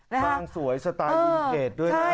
บางสวยสไตล์อีกเกจด้วย